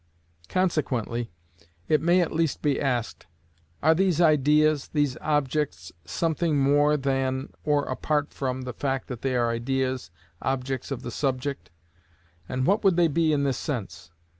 Consequently it may at least be asked: Are these ideas, these objects, something more than or apart from the fact that they are ideas, objects of the subject? And what would they be in this sense?